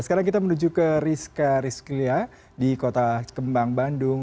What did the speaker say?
sekarang kita menuju ke rizka rizkilia di kota kembang bandung